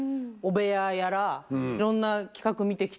阿笋いろんな企画見てきて。